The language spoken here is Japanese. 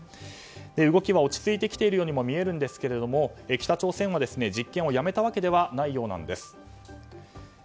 動きは落ち着いてきているようにも見えるんですが、北朝鮮は実験をやめたわけではないようなんです。